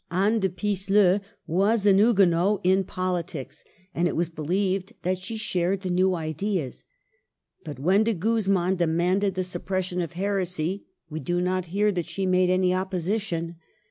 Anne de Pisseleu was a Huguenot in politics, and it was believed that she shared the New Ideas ; but when De Guzman demanded the suppression of heresy, we do not hear that she made any opposition.